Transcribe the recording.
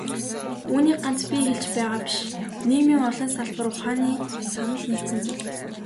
Үүнийг ганц би хэлж байгаа биш, нийгмийн олон салбар ухааны санал нэгдсэн зүйл.